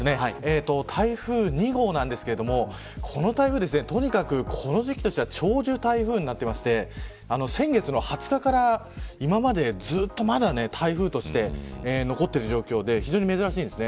台風２号なんですがこの台風とにかくこの時期としては長寿台風になっていて先月の２０日から今まで、ずっと台風として残っている状況で非常に珍しいです。